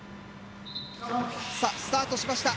さぁスタートしました。